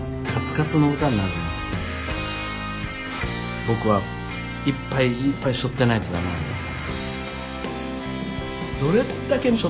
僕はいっぱいいーーっぱい背負ってないとだめなんですよ。